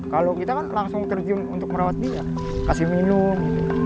kalau kita kan langsung terjun untuk merawat dia kasih minum